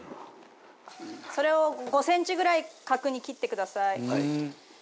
それを５センチぐらい角に切ってください。